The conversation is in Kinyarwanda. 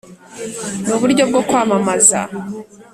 'ni uburyo bwo kwamamaza'.